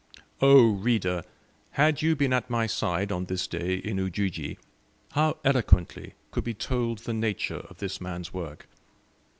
Oh, reader, had you been at my side on this day in Ujiji, how eloquently could be told the nature of this man's work!